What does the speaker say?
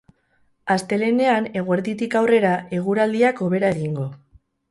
Astelehenean eguerditik aurrera eguraldiak hobera egingo.